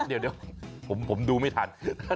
เดี๋ยวผมดูไม่ทัน